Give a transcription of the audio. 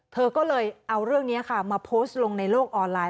เธอก็เลยเอาเรื่องนี้ค่ะมาโพสต์ลงในโลกออนไลน